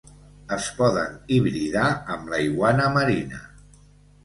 Es poden hibridar amb la iguana marina.